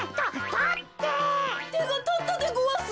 てがたったでごわす。